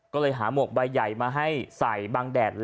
ก็เลยหาหมวกใบใหญ่มาให้ใส่บางแดดเลย